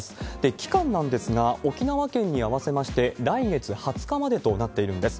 期間なんですが、沖縄県に合わせまして、来月２０日までとなっているんです。